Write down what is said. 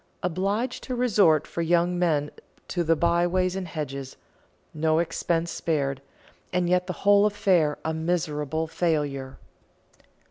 Obliged to resort for young men to the byways and hedges; no expense spared, and yet the whole affair a miserable failure."